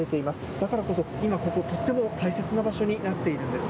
だからこそ、今ここ、とっても大切な場所になっているんです。